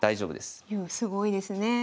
すごいですね。